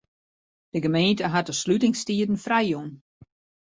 De gemeente hat de slutingstiden frijjûn.